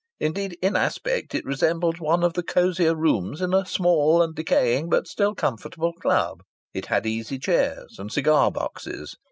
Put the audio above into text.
Indeed in aspect it resembled one of the cosier rooms in a small and decaying but still comfortable club. It had easy chairs and cigar boxes.